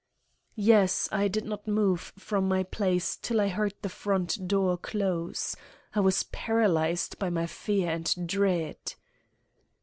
"Yes; I did not move from my place till I heard the front door close. I was paralyzed by my fear and dread."